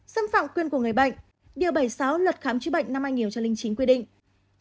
xâm phạm quyền của người bệnh điều bảy mươi sáu luật khám chữa bệnh năm hai nghìn chín quy định